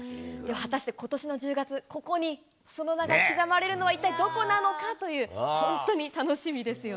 果たしてことしの１０月、ここにその名が刻まれるのは一体どこなのかという、本当に楽しみですよ